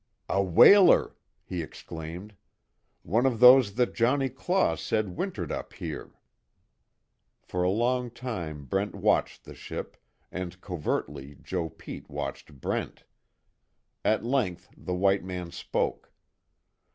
"A whaler!" he exclaimed, "One of those that Johnnie Claw said wintered up here." For a long time Brent watched the ship, and covertly Joe Pete watched Brent. At length the white man spoke.